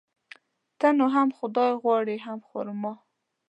ته نو هم خداى غواړي ،هم خر ما.